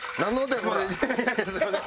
すみません。